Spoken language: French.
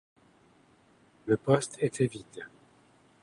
Le poste était vide.